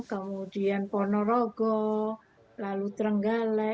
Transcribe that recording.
kemudian ponorogo lalu trenggale